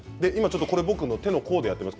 僕の手の甲でやってみます。